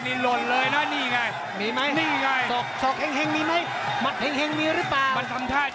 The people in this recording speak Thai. มีไงนี่ไงมัตต์แห่งมีหรือเปล่า